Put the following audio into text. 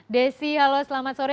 desi halo selamat sore